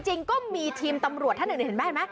จริงก็มีทีมตำรวจท่านอื่นเห็นมั้ย